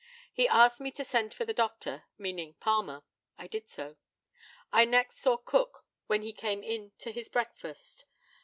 He asked me to send for the doctor, meaning Palmer. I did so. I next saw Cook when he came in to his breakfast.